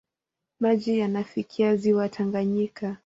Maji yanafikia ziwa Tanganyika.